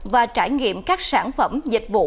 và trải nghiệm các sản phẩm dịch vụ